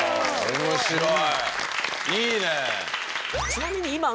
面白い！